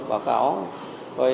báo cáo tôi